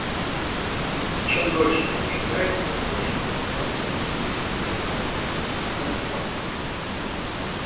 Чем дольше мы выжидаем, тем больше может поистине ухудшиться международный контекст в плане безопасности.